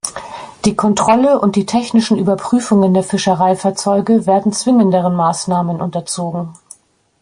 Die Kontrolle und die technischen Überprüfungen der Fischereifahrzeuge werden zwingenderen Maßnahmen unterzogen.